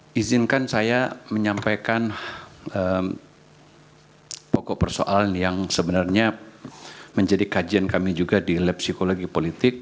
dan izinkan saya menyampaikan pokok persoalan yang sebenarnya menjadi kajian kami juga di lab psikologi politik